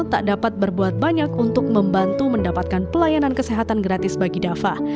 tak dapat berbuat banyak untuk membantu mendapatkan pelayanan kesehatan gratis bagi dafa